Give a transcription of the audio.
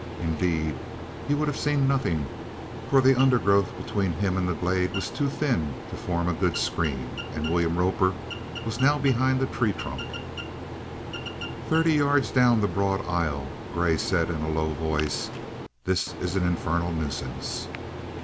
Indeed, he would have seen nothing, for the undergrowth between him and the glade was too thin to form a good screen, and William Roper was now behind the tree trunk. Thirty yards down the broad aisle Grey said in a low voice: "This is an infernal nuisance!"